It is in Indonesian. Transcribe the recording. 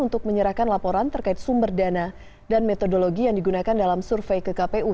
untuk menyerahkan laporan terkait sumber dana dan metodologi yang digunakan dalam survei ke kpu